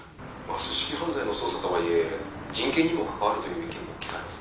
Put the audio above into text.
「組織犯罪の捜査とはいえ人権にも関わるという意見も聞かれますが」